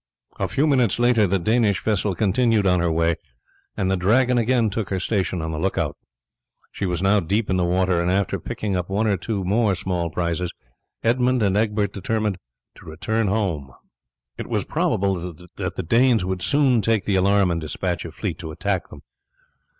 A few minutes later, the Danish vessel continued on her way, and the Dragon again took her station on the look out. She was now deep in the water, and after picking up one or two more small prizes, Edmund and Egbert determined to return home. It was probable that the Danes would soon take the alarm and despatch a fleet to attack them.